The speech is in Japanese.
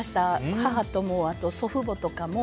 母と、祖父母とかも。